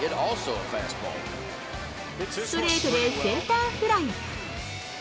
ストレートでセンターフライ。